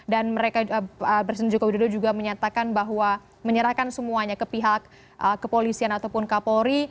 dan presiden joko widodo juga menyatakan bahwa menyerahkan semuanya ke pihak kepolisian ataupun kapolri